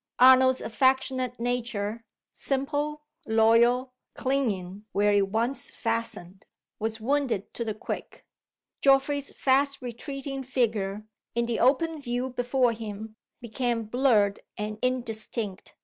Arnold's affectionate nature simple, loyal, clinging where it once fastened was wounded to the quick. Geoffrey's fast retreating figure, in the open view before him, became blurred and indistinct.